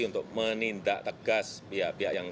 untuk menindak tegas pihak pihak yang